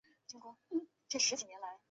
指券相似。